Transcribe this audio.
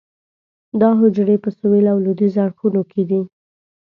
دا حجرې په سویل او لویدیځ اړخونو کې دي.